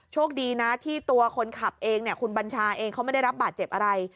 โชคดีนะที่ตัวคนขับเองคุณบัญชาเองเขาไม่ได้รับบาดเจ็บอะไร